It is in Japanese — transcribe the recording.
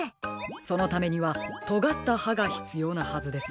そのためにはとがったはがひつようなはずです。